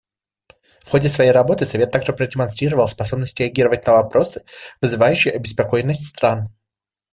В ходе своей работы Совет также продемонстрировал способность реагировать на вопросы, вызывающие обеспокоенность стран.